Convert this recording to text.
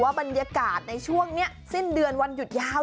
บรรยากาศในช่วงนี้สิ้นเดือนวันหยุดยาว